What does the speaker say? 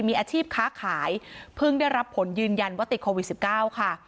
มีอาชีพค้าขายเพิ่งได้รับผลยืนยันว่าติดโควิด๑๙ค่ะ